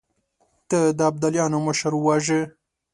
تا د ابداليانو مشر وواژه!